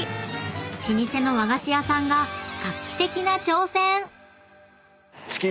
［老舗の和菓子屋さんが画期的な挑戦！］